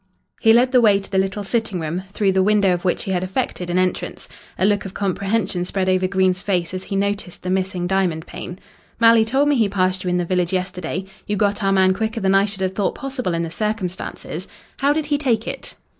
He led the way to the little sitting room, through the window of which he had effected an entrance. A look of comprehension spread over Green's face as he noticed the missing diamond pane. "Malley told me he passed you in the village yesterday. You got our man quicker than I should have thought possible in the circumstances. How did he take it?"